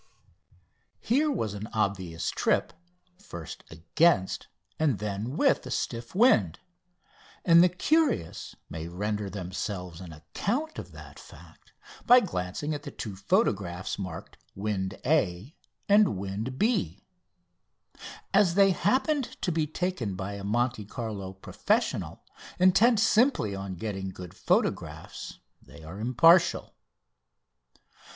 Here was an obvious trip, first against and then with a stiff wind, and the curious may render themselves an account of the fact by glancing at the two photographs marked "Wind A" and "Wind B." As they happened to be taken by a Monte Carlo professional intent simply on getting good photographs they are impartial.